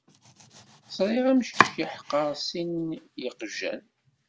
Ẓriɣ amcic yeḥqer sin n yiqjan.